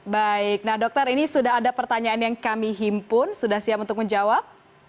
baik nah dokter ini sudah ada pertanyaan yang kami himpun sudah siap untuk menjawab